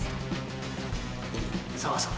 そうそう。